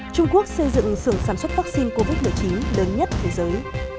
trung quốc xây dựng sưởng sản xuất vaccine covid một mươi chín lớn nhất thế giới